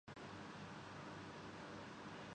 آج کل کے تماشے دیکھیے۔